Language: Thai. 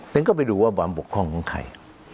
นึงก็ไปดูว่าบกพร่องของใคร